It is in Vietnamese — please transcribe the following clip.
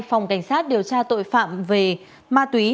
phòng cảnh sát điều tra tội phạm về ma túy